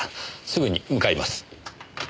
すぐに向かいます。